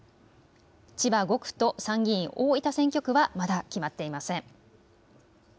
千葉５区と参議院大分選挙区はまだ決まっていません。